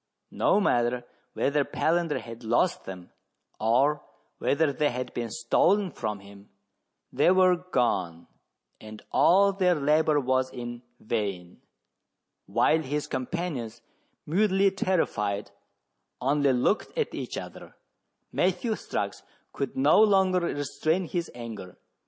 No matter whether Palander had lost them, or whether they had been stolen from him ; they were gone, and all their labour was in vain I 21 8 meridiana; the adventures of While his companions, mutely terrified, only looked at each other, Matthew Strux could no longer restrain his anger.